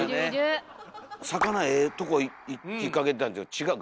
魚ええとこいきかけてたんですけど違う。